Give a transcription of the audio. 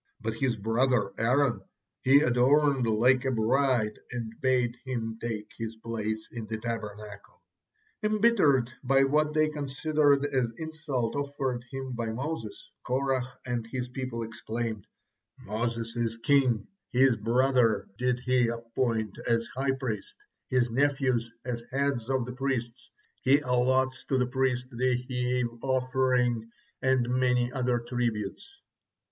But his brother Aaron he adorned like a bride, and bade him take his place in the Tabernacle." Embittered by what they considered as insult offered him by Moses, Korah and his people exclaimed: "Moses is king, his brother did he appoint as high priest, his nephews as heads of the priests, he allots to the priest the heave offering and many other tributes."